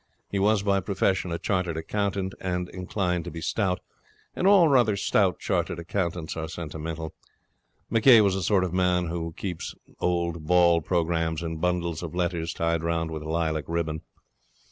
He was by profession a chartered accountant, and inclined to be stout; and all rather stout chartered accountants are sentimental. McCay was the sort of man who keeps old ball programmes and bundles of letters tied round with lilac ribbon.